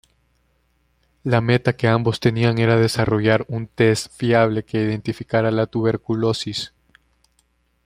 La meta que ambos tenían era desarrollar un test fiable que identificara la tuberculosis.